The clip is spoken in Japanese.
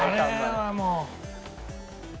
あれはもう。